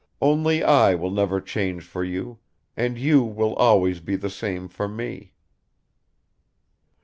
Only I will never change for you, and you will always be the same for me."